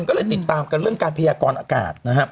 ก็เลยติดตามกันเรื่องการพยากรอากาศนะครับ